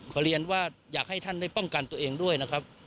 เรียนว่าอยากให้ท่านได้ป้องกันตัวเองด้วยนะครับ